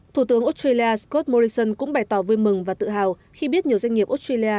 thủ tướng australia scott morrison cũng bày tỏ vui mừng và tự hào khi biết nhiều doanh nghiệp australia